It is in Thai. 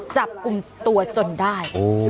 จับกลุ่มตัวจนได้